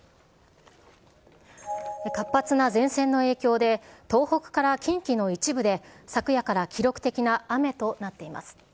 活発な前線の影響で、東北から近畿の一部で、昨夜から記録的な雨となっています。